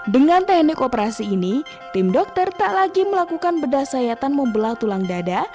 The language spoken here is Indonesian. dengan teknik operasi ini tim dokter tak lagi melakukan bedah sayatan membelah tulang dada